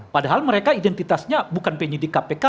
padahal mereka identitasnya bukan penyidik kpk